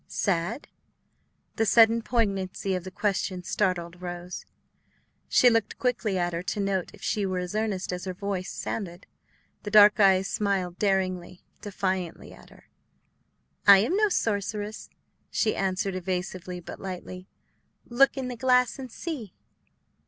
"Sad?" The sudden poignancy of the question startled Rose. She looked quickly at her to note if she were as earnest as her voice sounded. The dark eyes smiled daringly, defiantly at her. "I am no sorceress," she answered evasively but lightly; "look in the glass and see."